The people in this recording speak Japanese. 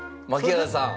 槙原さん。